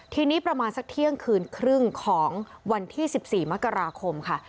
ทีนี้ประมาณสักเที่ยงคืนครึ่งของวันที่๑๔มกราคมค่ะ